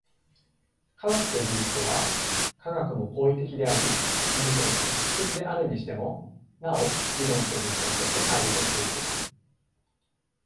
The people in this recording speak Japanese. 科学と技術とは、科学も行為的であり技術も知識的であるにしても、なお理論と実践として対立している。